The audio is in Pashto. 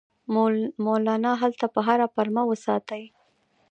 مولنا هلته په هره پلمه وساتي.